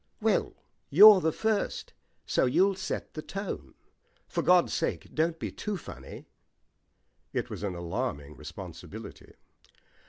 "Well, you're the first, so you'll set the tone. For God's sake don't be too funny." It was an alarming responsibility.